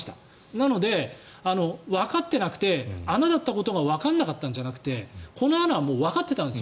なので、わかっていなくて穴だったことがわからなかったんじゃなくてこの穴はもうわかってたんです。